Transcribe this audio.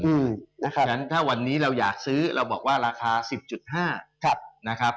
เพราะฉะนั้นถ้าวันนี้เราอยากซื้อเราบอกว่าราคา๑๐๕นะครับ